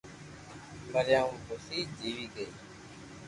مريا مون پئسي جيوي گئي